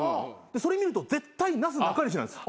それ見ると絶対なすなかにしなんです。